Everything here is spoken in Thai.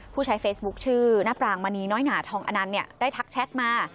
ผู้ใช้เฟซบุ๊คชื่อณปรางมณีน้อยหนาทองอนันต์ได้ทักแชทมา